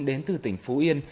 đến từ tỉnh phú yên